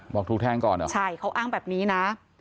บอกถูกแทงก่อนเหรอใช่เขาอ้างแบบนี้นะ